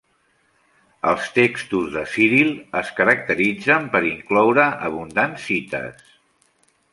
Els textos de Ciril es caracteritzen per incloure abundants cites.